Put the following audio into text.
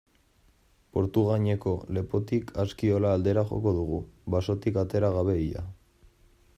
Portugaineko lepotik Askiola aldera joko dugu, basotik atera gabe ia.